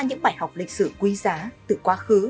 học lịch sử quý giá từ quá khứ